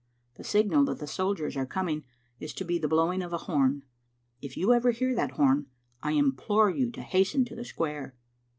The signal that the soldiers are coming is to be the blowing of a horn. If you ever hear that horn, I implore you to hasten to the square."